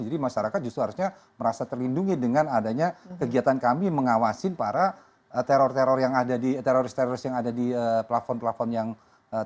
jadi masyarakat justru harusnya merasa terlindungi dengan adanya kegiatan kami mengawasi para teror teroris yang ada di platform platform yang terbuka